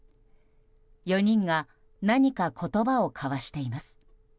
４人が何か言葉を交わしています。